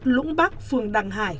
lũng bắc phường đằng hải